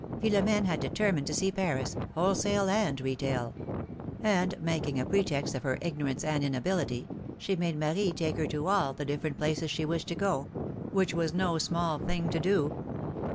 Philom5ne had determined to see Paris, wholesale and retail; and, making a pretext of her ignorance and inability, she made Marie take her to all the different places she wished to go — ^^vhich was no small thing to do.